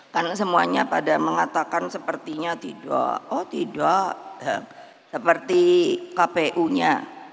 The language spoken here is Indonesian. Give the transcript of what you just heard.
karena semuanya pada mengatakan sepertinya oh tidak seperti kpu nya